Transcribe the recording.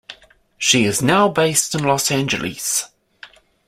She is now based in Los Angeles.